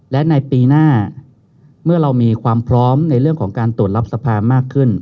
และในปีหน้าเมื่อเรามีความพร้อมในเรื่องของการตรวจรับสภามากขึ้น